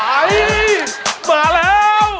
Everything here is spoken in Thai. เฮ้ยมาแล้ว